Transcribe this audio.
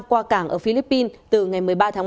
qua cảng ở philippines từ ngày một mươi ba ba